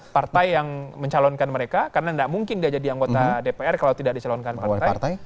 partai yang mencalonkan mereka karena tidak mungkin dia jadi anggota dpr kalau tidak dicalonkan partai